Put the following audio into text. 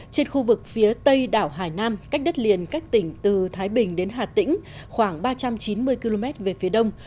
trên khu vực phía tây đảo hải nam cách đất liền các tỉnh từ thái bình đến hà tĩnh khoảng ba trăm chín mươi km về phía đông